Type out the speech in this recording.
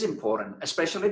sekarang ini penting